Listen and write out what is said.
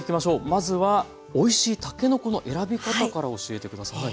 まずはおいしいたけのこの選び方から教えてください。